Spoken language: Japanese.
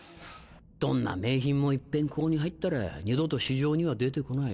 どんな名品もいっぺんここに入ったら二度と市場には出て来ない。